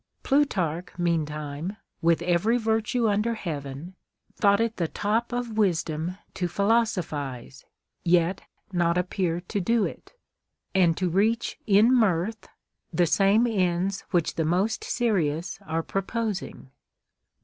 Plutarch, meantime, with every virtue under heaven, thought it the top of wisdom to philosophize, yet not appear to do it, and to reach in mirth the same ends which the most serious are proposing.